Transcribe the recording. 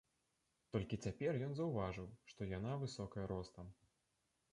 Толькі цяпер ён заўважыў, што яна высокая ростам.